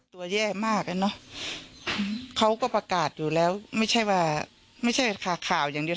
ตัวแย่มากอ่ะเนอะเขาก็ประกาศอยู่แล้วไม่ใช่ว่าไม่ใช่ค่ะข่าวอย่างเดียว